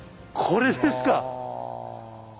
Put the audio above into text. これです。